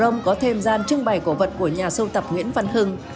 ông có thêm gian trưng bày cổ vật của nhà sưu tập nguyễn văn hưng